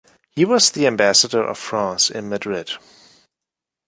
He was the Ambassador of France in Madrid.